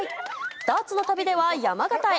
ダーツの旅では山形へ。